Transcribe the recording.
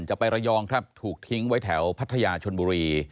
จะไประยองครับถูกทิ้งไว้แถวพัทยาชนบุรี